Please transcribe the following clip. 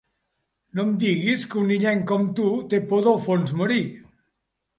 No em diguis que un illenc com tu té por del fons marí.